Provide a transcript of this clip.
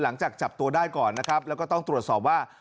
หลังจากจับตัวได้ก่อนนะครับแล้วก็ต้องตรวจสอบว่า